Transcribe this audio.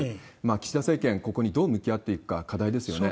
岸田政権、ここにどう向き合っていくか、課題ですよね。